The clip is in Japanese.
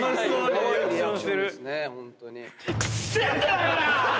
ホントに。